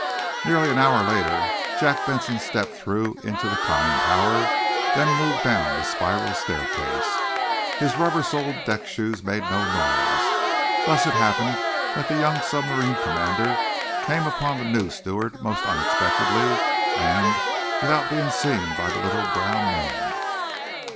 Nearly an hour later Jack Benson stepped through into the conning tower; then moved down the spiral staircase. His rubber soled deck shoes made no noise. Thus it happened that the young submarine commander came upon the new steward most un expectedly, and without being seen by the little, brown man.